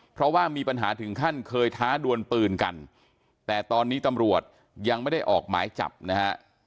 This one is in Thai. เพราะว่ามีปัญหาถึงขั้นเคยท้าดวนปืนกันแต่ตอนนี้ตำรวจยังไม่ได้ออกหมายจับนะฮะ